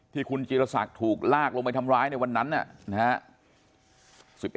ที่คุณจีรศักดิ์ถูกลากลงไปทำร้ายในวันนั้นนะครับ